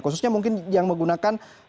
khususnya mungkin yang menggunakan